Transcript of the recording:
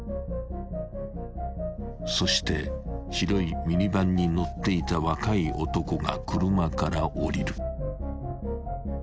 ［そして白いミニバンに乗っていた若い男が車から降りる］